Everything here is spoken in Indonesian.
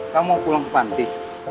kamu pulang ke panti